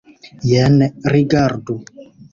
Jen, rigardu!